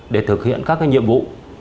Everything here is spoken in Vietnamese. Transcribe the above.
để thực hiện các cái nhiệm vụ